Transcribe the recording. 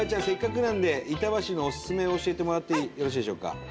せっかくなんで板橋のおすすめを教えてもらってよろしいでしょうか。